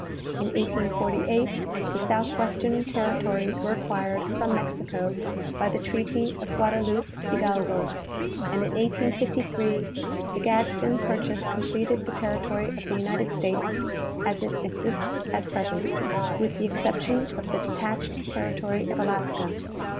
In 1848 the southwestern territories were acquired from Mexico by the treaty of Guadaloupe Hidalgo : and in 1853 the Gadsden purchase completed the territory of the United States as it exists at present, with the exception of the detached territory of Alaska.